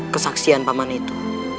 kesaksian paman itu